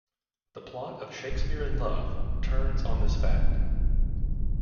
The plot of "Shakespeare in Love" turns on this fact.